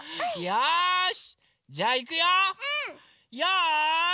よし！